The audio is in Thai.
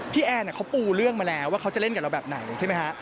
แอนเขาปูเรื่องมาแล้วว่าเขาจะเล่นกับเราแบบไหนใช่ไหมฮะ